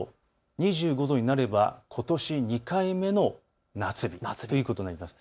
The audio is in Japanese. ２５度になればことし２回目の夏日ということになります。